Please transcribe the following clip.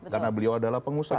karena beliau adalah pengusaha